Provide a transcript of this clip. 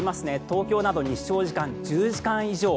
東京など日照時間１０時間以上。